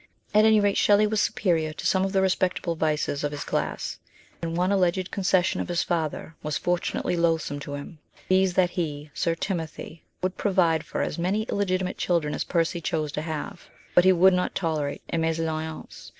At any rate Shelley was superior to some of the respectable vices of his class, and one alleged conces sion of his father was fortunately loathsome to him, viz. that he (Sir Timothy) would provide for as many illegitimate children as Percy chose to have, but lie would not tolerate a mesalliance.